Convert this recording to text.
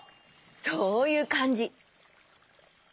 そういうかんじ。